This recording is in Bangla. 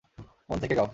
মন থেকে গাও!